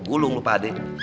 gulung lo pak adek